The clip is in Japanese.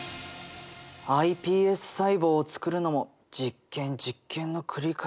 ｉＰＳ細胞をつくるのも実験実験の繰り返しだったんだね。